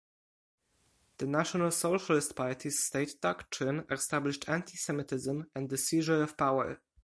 The National Socialist party's state doctrine established Anti-Semitism and the seizure of power.